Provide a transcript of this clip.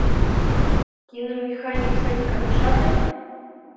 Киномеханик Санькам шарнет?